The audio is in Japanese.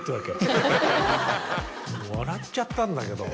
もう笑っちゃったんだけど。